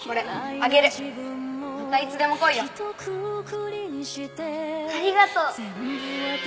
ありがとう。